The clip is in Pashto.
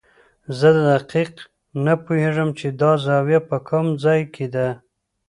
زه دقیق نه پوهېږم چې دا زاویه په کوم ځای کې ده.